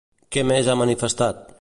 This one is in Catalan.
Què més ha manifestat?